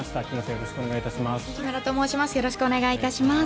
よろしくお願いします。